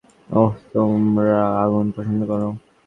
ওহ, তোমরা আগুন পছন্দ করো?